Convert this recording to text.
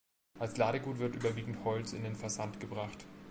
Als Ladegut wird überwiegend Holz in den Versand gebracht.